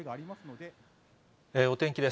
お天気です。